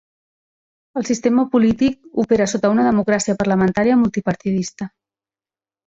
El sistema polític opera sota una democràcia parlamentària multipartidista.